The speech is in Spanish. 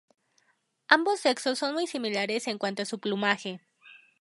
Ambos sexos son muy similares en cuanto a su plumaje.